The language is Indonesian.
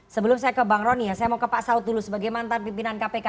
sebelum saya ke bang roni ya saya mau ke pak saud dulu sebagai mantan pimpinan kpk